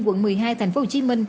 quận một mươi hai tp hcm